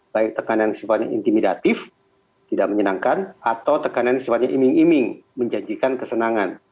baik tekanan sifatnya intimidatif tidak menyenangkan atau tekanan yang sifatnya iming iming menjanjikan kesenangan